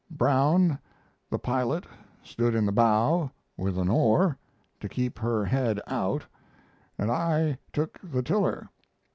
Brown, the pilot, stood in the bow, with an oar, to keep her head out, and I took the tiller.